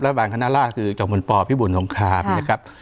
รัฐบาลคณะล่าคือจังหวนป่อพิบุรณสงครามนะครับ